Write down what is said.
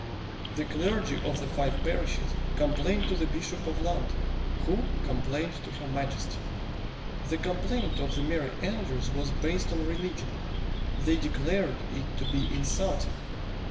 The clergy of the five parishes complained to the Bishop of London, who complained to her Majesty. The complaint of the merry andrews was based on religion. They declared it to be insulted.